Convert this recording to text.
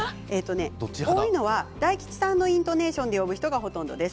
多いのは大吉さんのイントネーションで呼ぶ人がほとんどです。